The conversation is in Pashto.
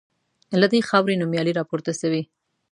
له دې خاوري نومیالي راپورته سوي